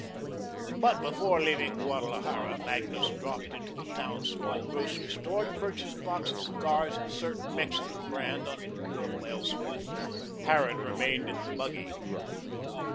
But before leaving Guadalajara Magnus dropped into the town's small grocery store to purchase a box of cigars of a certain Mexican brand, unprocurable elsewhere. Harran remained in the buggy.